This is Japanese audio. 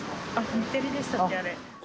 日テレでしたっけ、あれ。